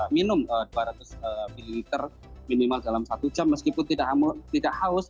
minum dua ratus ml minimal dalam satu jam meskipun tidak haus